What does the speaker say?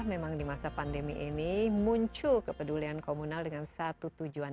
memang di masa pandemi ini muncul kepedulian komunal dengan satu tujuan